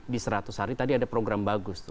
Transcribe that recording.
di seratus hari tadi ada program bagus tuh